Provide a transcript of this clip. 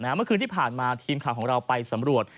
เมื่อคืนที่ผ่านมาทีมข่าวของเราไปสำรวจ